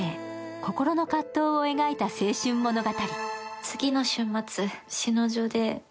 心の葛藤を描いた青春物語。